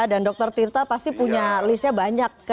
dan dokter tirta pasti punya listnya banyak